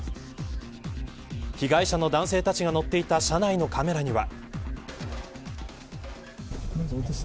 被害者の男性たちが乗っていた車内のカメラには。